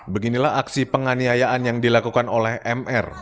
beginilah aksi penganiayaan yang dilakukan oleh mr